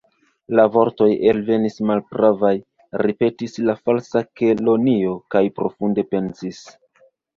"La vortoj elvenis malpravaj," ripetis la Falsa Kelonio, kaj profunde pensis.